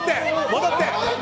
戻って！